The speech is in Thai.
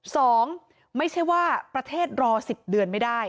ไม่ใช่ว่าประเทศรอสิบเดือนไม่ได้